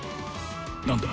何だ？